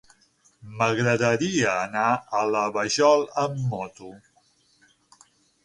M'agradaria anar a la Vajol amb moto.